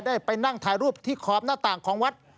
ได้ไปนั่งถ่ายรูปที่ขอบหน้าต่างของวัด